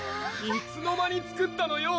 いつの間に作ったのよ